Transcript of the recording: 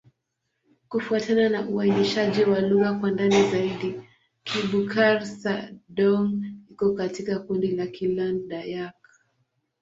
Kufuatana na uainishaji wa lugha kwa ndani zaidi, Kibukar-Sadong iko katika kundi la Kiland-Dayak.